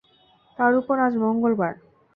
তার ওপর আজ মঙ্গলবার।